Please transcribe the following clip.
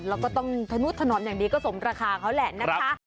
แล้วก็ต้องทะนุษถนนอย่างดีก็สมราคาเขาแหละนะคะ